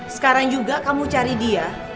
sekarang juga kamu cari dia